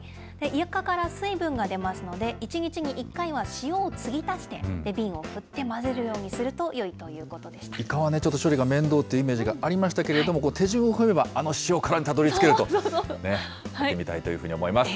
イカから水分が出ますので、１日に１回は塩を継ぎ足して、瓶を振って混ぜるようにするとよいイカはちょっと処理が面倒というイメージがありましたけども、手順を踏めば、あの塩辛にたどりつけると、やってみたいというふうに思います。